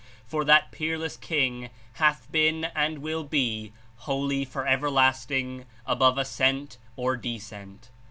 — for that Peerless King hath been and 00 will be holy for everlasting above ascent or descent."